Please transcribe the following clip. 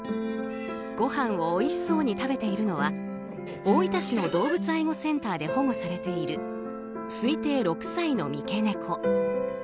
ごはんをおいしそうに食べているのは、大分市の動物愛護センターで保護されている推定６歳の三毛猫。